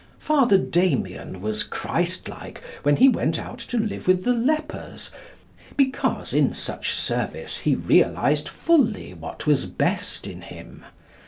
Father Damien was Christlike when he went out to live with the lepers, because in such service he realised fully what was best in him.